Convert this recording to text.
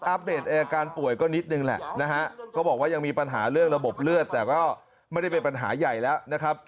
อัปเดตอาการป่วยก็นิดหนึ่งแหละนะครับ